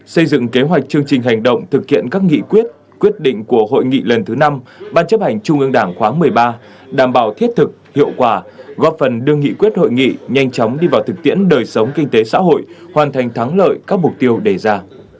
xây dựng kế hoạch chương trình hành động thực hiện các nghị quyết quyết định của hội nghị lần thứ năm ban chấp hành trung ương đảng khóa một mươi ba đảm bảo thiết thực hiệu quả góp phần đưa nghị quyết hội nghị nhanh chóng đi vào thực tiễn đời sống kinh tế xã hội hoàn thành thắng lợi các mục tiêu đề ra